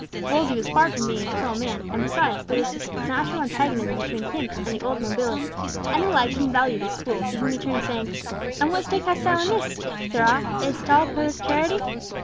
Wolsey was far from being a cruel man, and besides, there was a natural antagonism between him and the old nobility, and he liked and valued his fool, to whom he turned, saying, "And what stake hast thou in this, sirrah? Is't all pure charity?"